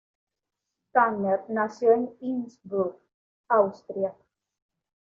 Tanner nació en Innsbruck, Austria.